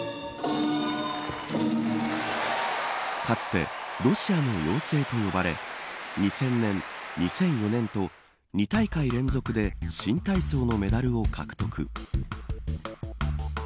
かつて、ロシアの妖精と呼ばれ２０００年、２００４年と２大会連続で新体操のメダルを獲得。